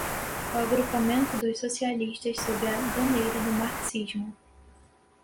o agrupamento dos socialistas sob a bandeira do marxismo